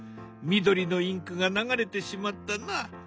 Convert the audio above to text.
緑のインクが流れてしまったな。